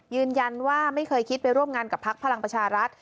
ยืนยันว่าไม่เคยคิดไปร่วมงานกับพรักพลังประชารัฐ